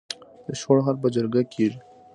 د شخړو حل په جرګه کیږي؟